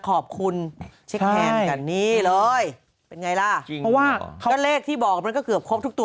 ก็เลขที่บอกมันก็เกือบครบทุกตัว